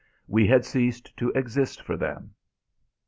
We had ceased to exist for them.